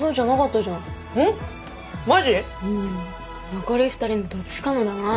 残り２人のどっちかのだな。